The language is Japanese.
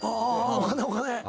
お金お金。